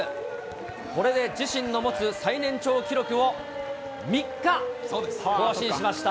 これで自身の持つ最年長記録を３日更新しました。